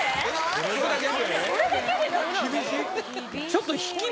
ちょっと。